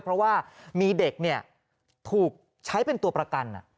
เพราะว่ามีเด็กถูกใช้เป็นตัวประกัน